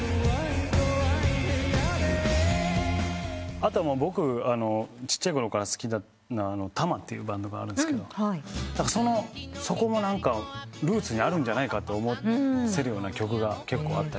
あと僕ちっちゃいころから好きだったたまっていうバンドがあるんですけどそこもルーツにあるんじゃないかと思わせるような曲が結構あったりして。